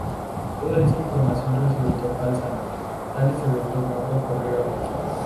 Toda esa información resultó falsa; tales eventos nunca ocurrieron.